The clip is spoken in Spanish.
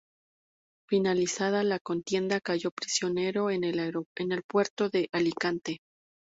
Finalizada la contienda cayó prisionero en el puerto de Alicante.